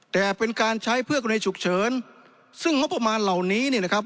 แต่เป็นการใช้เพื่อคนในฉุกเฉินซึ่งงบประมาณเหล่านี้เนี่ยนะครับ